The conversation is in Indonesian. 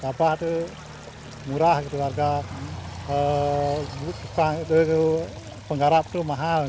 harga bawah itu murah harga penggarap itu mahal